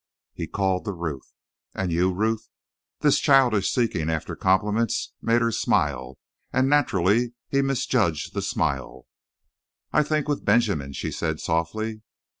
He called to Ruth: "And you, Ruth?" This childish seeking after compliments made her smile, and naturally he misjudged the smile. "I think with Benjamin," she said softly.